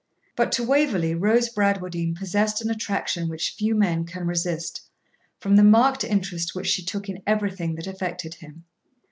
But to Waverley Rose Bradwardine possessed an attraction which few men can resist, from the marked interest which she took in everything that affected him.